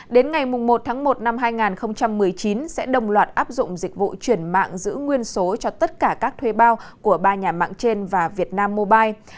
đến ngày một tháng một năm hai nghìn một mươi chín sẽ đồng loạt áp dụng dịch vụ chuyển mạng giữ nguyên số cho tất cả các thuê bao của ba nhà mạng trên và vietnam mobile